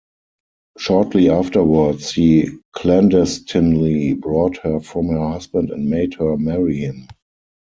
Shortly afterwards, he clandestinely brought her from her husband and made her marry him.